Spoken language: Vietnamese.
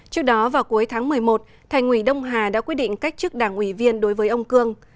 trước đó vào cuối tháng một mươi một thành ủy đông hà đã quyết định cách chức đảng ủy viên đối với ông cương